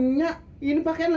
nabanya heran dia